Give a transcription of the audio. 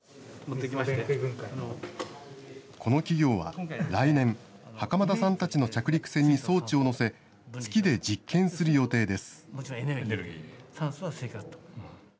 この企業は来年、袴田さんたちの着陸船に装置を載せ、月で実験する予定です。